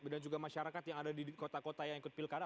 dan juga masyarakat yang ada di kota kota yang ikut pilkada